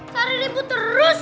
cari ribut terus